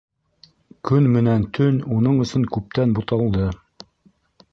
Көн менән төн уның өсөн күптән буталды.